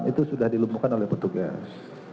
itu sudah dilumpuhkan oleh petugas